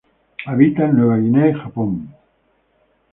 Habita en Nueva Guinea y Japón.